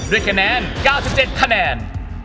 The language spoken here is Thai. ด้วยคะแนน๙๗คะแนน